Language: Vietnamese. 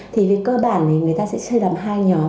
thì về cơ bản thì người ta sẽ chia làm hai nhóm